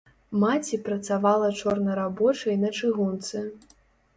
Маці працавала чорнарабочай на чыгунцы.